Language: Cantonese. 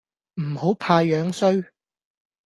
唔好怕樣衰